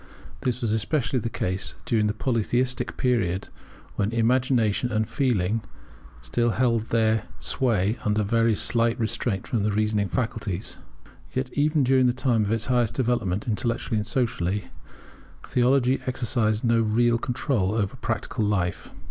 This was especially the case during the Polytheistic period, when Imagination and Feeling still retained their sway under very slight restraint from the reasoning faculties. Yet even during the time of its highest development, intellectually and socially, theology exercised no real control over practical life.